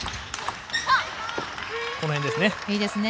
この辺ですね。